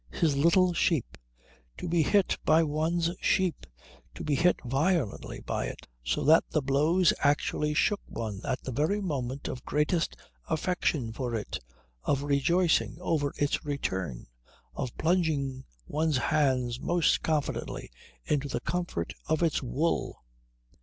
his little sheep. To be hit by one's sheep! To be hit violently by it so that the blows actually shook one at the very moment of greatest affection for it, of rejoicing over its return, of plunging one's hands most confidently into the comfort of its wool!